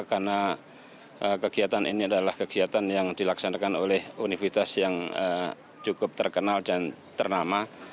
karena kegiatan ini adalah kegiatan yang dilaksanakan oleh univitas yang cukup terkenal dan ternama